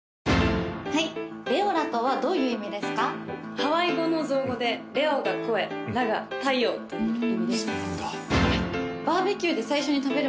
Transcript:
ハワイ語の造語でＬｅｏが声ｌａが太陽という意味ですうわ